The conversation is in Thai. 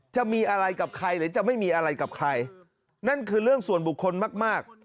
จะมีอะไรกับใครหรือจะไม่มีอะไรกับใครนั่นคือเรื่องส่วนบุคคลมากมาก